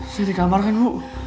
saya di kamar kan bu